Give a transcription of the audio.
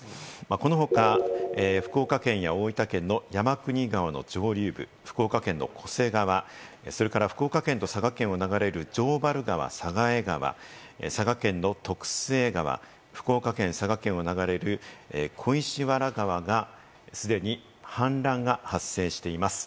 この他、福岡県や大分県の山国川の上流部、福岡県の巨瀬川、福岡県と佐賀県を流れる城原川、佐賀江川、佐賀県の徳須恵川、福岡県・佐賀県を流れる小石原川がすでに氾濫が発生しています。